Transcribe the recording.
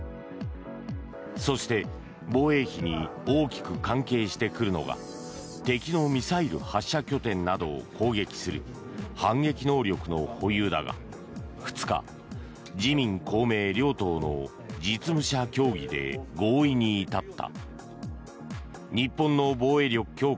そして防衛費に大きく関係してくるのが敵のミサイル発射拠点などを攻撃する反撃能力の保有だが２日自民・公明両党の実務者協議で合意に至った。